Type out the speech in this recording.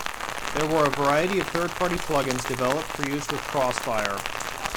There were a variety of third-party plugins developed for use with Xfire.